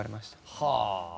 はあ！